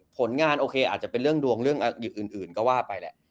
ผลงานโอเคอาจจะเป็นเรื่องดวงเรื่องอื่นก็ว่าไปแหละ